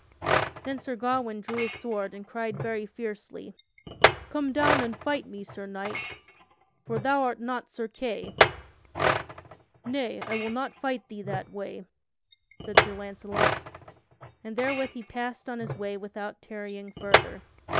Then Sir Gawain drew his sword and cried very fiercely: "Come down and fight me, Sir Knight! For thou art not Sir Kay!" "Nay, I will not fight thee that way," said Sir Launcelot, and therewith he passed on his way without tarrying further.